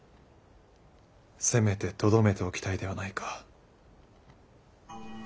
せめてとどめておきたいではないか。